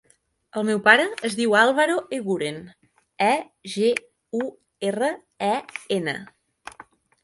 El meu pare es diu Álvaro Eguren: e, ge, u, erra, e, ena.